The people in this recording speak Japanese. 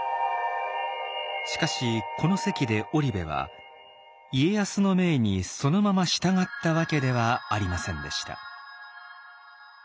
しかしこの席で織部は家康の命にそのまま従ったわけではありませんでした。